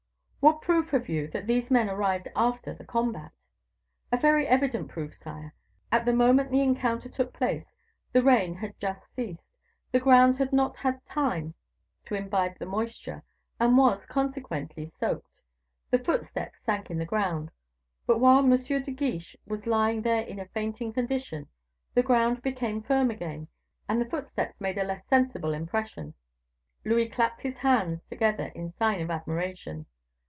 "What proof have you that these men arrived after the combat?" "A very evident proof, sire; at the moment the encounter took place, the rain had just ceased, the ground had not had time to imbibe the moisture, and was, consequently, soaked; the footsteps sank in the ground; but while M. de Guiche was lying there in a fainting condition, the ground became firm again, and the footsteps made a less sensible impression." Louis clapped his hands together in sign of admiration.